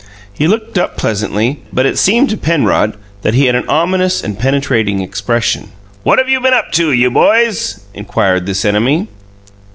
He looked up pleasantly, but it seemed to Penrod that he had an ominous and penetrating expression. "What have you been up to, you boys?" inquired this enemy.